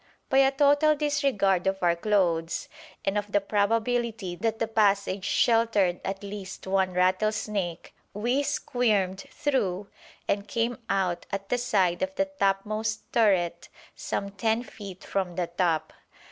By a total disregard of our clothes and of the probability that the passage sheltered at least one rattlesnake, we squirmed through and came out at the side of the topmost turret some 10 feet from the top.